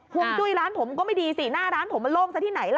ห่วงจุ้ยร้านผมก็ไม่ดีสิหน้าร้านผมมันโล่งซะที่ไหนล่ะ